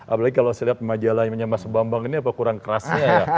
apalagi kalau saya lihat majalahnya mas bambang ini apa kurang kerasnya ya